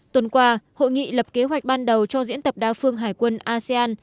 tuần qua hội nghị lập kế hoạch ban đầu cho diễn tập đa phương hải quân asean